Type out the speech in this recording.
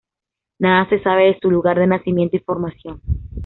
Nada se sabe de su lugar de nacimiento y formación.